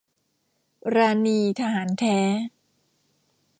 ราณี ทหารแท้